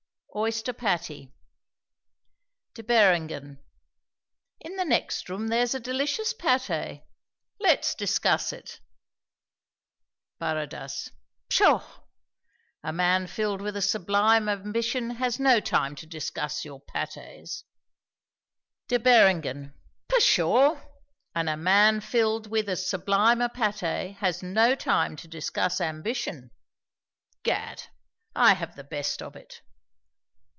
OYSTER PATTIE. De Beringhen. In the next room there's a delicious pâté, let's discuss it. Baradas. Pshaw! a man filled with a sublime ambition has no time to discuss your pâtés. De Beringhen. Pshaw! and a man filled with as sublime a pâté has no time to discuss ambition. Gad, I have the best of it.